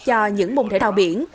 cho những mùng thể thao biển